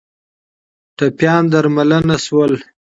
ټپیان درملنه شول